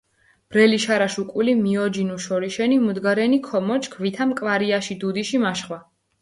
ბრელი შარაშ უკული მიოჯინუ შორიშენი, მუდგარენი ქომოჩქ, ვითამ კვარიაში დუდიში მაშხვა.